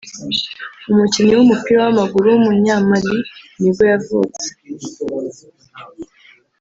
umukinnyi w’umupira w’amaguru w’umunya-Mali nibwo yavutse